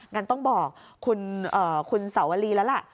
งั้นต้องบอกคุณสาวรีแล้วล่ะ